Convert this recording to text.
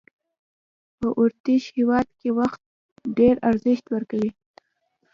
په اوترېش هېواد کې وخت ډېر ارزښت ورکوي.